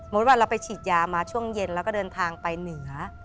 ว่าเราไปฉีดยามาช่วงเย็นแล้วก็เดินทางไปเหนือ